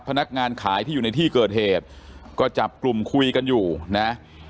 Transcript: พนักงานขายที่อยู่ในที่เกิดเหตุก็จับกลุ่มคุยกันอยู่นะ